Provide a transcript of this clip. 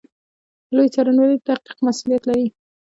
لوی څارنوالي د تحقیق مسوولیت لري